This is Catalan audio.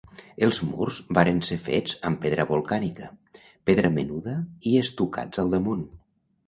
Els murs varen ser fets amb pedra volcànica, pedra menuda i estucats al damunt.